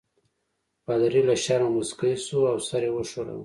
پادري له شرمه مسکی شو او سر یې وښوراوه.